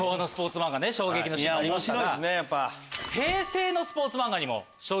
漫画衝撃のシーンがありましたが。